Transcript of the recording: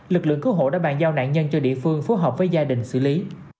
lực lượng cứu hộ đã bàn giao nạn nhân cho địa phương phối hợp với gia đình xử lý